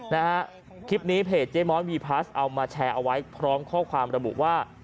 นะฮะคลิปนี้เพจเจ๊ม้อยวีพลัสเอามาแชร์เอาไว้พร้อมข้อความระบุว่า